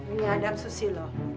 ini adam susilo